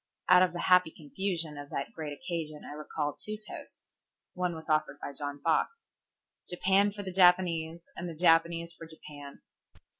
Out of the happy confusion of that great occasion I recall two toasts. One was offered by John Fox. "Japan for the Japanese, and the Japanese for Japan."